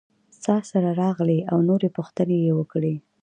څاسره راغلې او نور پوښتنې یې وکړې.